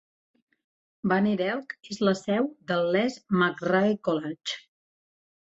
Banner Elk és la seu del Lees-McRae College.